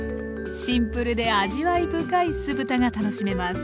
シンプルで味わい深い酢豚が楽しめます。